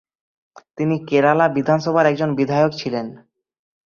তিনি কেরালা বিধানসভার একজন বিধায়ক ছিলেন।